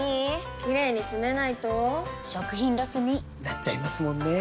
キレイにつめないと食品ロスに．．．なっちゃいますもんねー！